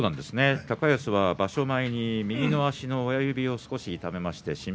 高安は右の足の親指を少し痛めました。